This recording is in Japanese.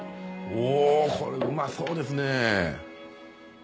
おこれうまそうですね。